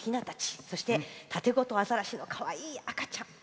そして、タテゴトアザラシのかわいい赤ちゃん。